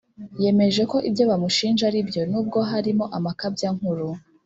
Yemeje ko ibyo bamushinja aribyo nubwo harimo amakabya nkuru